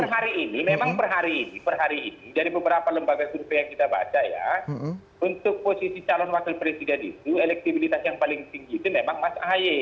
memang per hari ini dari beberapa lembaga survei yang kita baca ya untuk posisi calon wakil presiden itu elektibilitas yang paling tinggi itu memang mas ahi